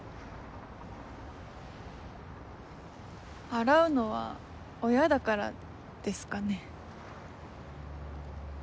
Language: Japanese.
洗うのは親だからですかね。